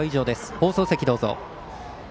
放送席、どうぞ。